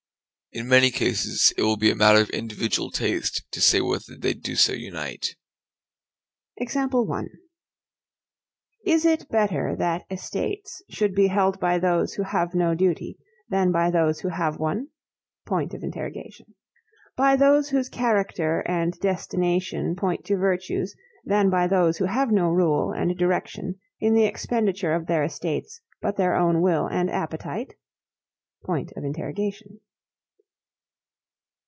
In many cases it will be a matter of individual taste to say whether they do so unite. Is it better that estates should be held by those who have no duty than by those who have one? by those whose character and destination point to virtues than by those who have no rule and direction in the expenditure of their estates but their own will and appetite?